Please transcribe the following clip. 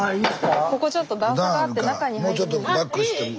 ここちょっと段差があって中に入れない。